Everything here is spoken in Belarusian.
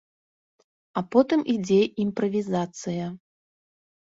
А потым ідзе імправізацыя.